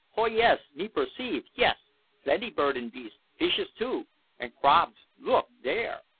"Ho, yis, me perceive; yis, plenty bird and beast fishes too, and crawbs look dare."